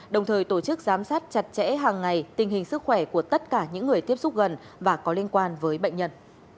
đồng thời tổ chức giám sát chặt chẽ hàng ngày tình hình sức khỏe của tất cả những người tiếp xúc gần và có liên quan với bệnh nhân